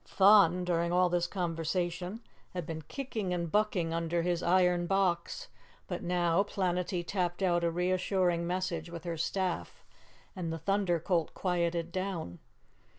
Thun, during all this conversation, had been kicking and bucking under his iron box, but now Planetty tapped out a reassuring message with her staff and the Thunder Colt quieted down.